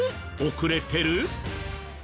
遅れてる？